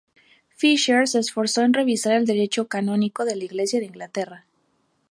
Fisher se esforzó en revisar el derecho canónico de la Iglesia de Inglaterra.